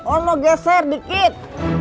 oh mau geser dikit